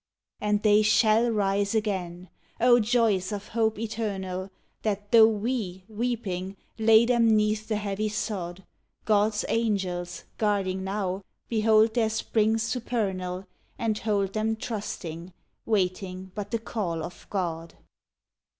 "And they shall rise again!" Oh joys of hope eternal! That though we, weeping, lay them 'neath the heavy sod, God's angels, guarding now, behold their spring supernal, And hold them trusting, waiting but the call of God!